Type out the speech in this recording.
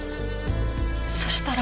そしたら。